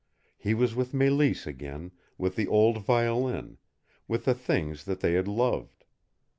He was with Mélisse again, with the old violin, with the things that they had loved.